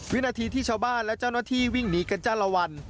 วินาทีที่ชาวบ้านและเจ้าหน้าที่วิ่งหนีกันจ้าละวัน